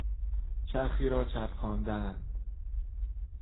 چرخی را چرخاندن